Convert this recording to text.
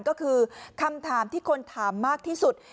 ก็คือคำถามที่คนถามมากที่สุด